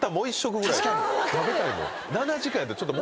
食べたいもん。